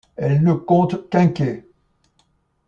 Elle ne compte qu'un quai.